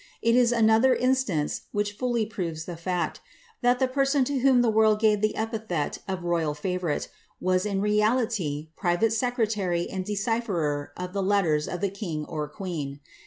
It is another instance which fully proves the fact, that the person to whom the world gave the epithet of royal fiivourite, was in reality private secretary and decypherer of the letters of the king or queen.